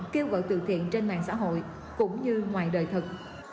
kêu gọi từ thiện trên mạng xã hội cũng như ngoài đời thực